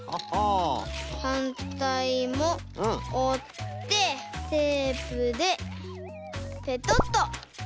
はんたいもおってテープでペトッと。